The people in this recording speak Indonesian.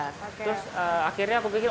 terus akhirnya aku pikir